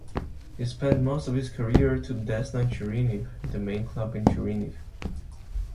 He spend most of his career to Desna Chernihiv the main club in Chernihiv.